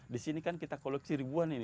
di sini kan kita koleksi ribuan ini